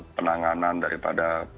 penanganan dari provinsi